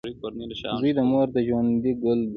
• زوی د مور د ژوند ګل وي.